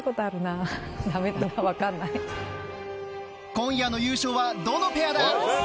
今夜の優勝はどのペアだ？